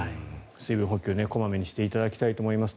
水分補給を小まめにしていただきたいと思います。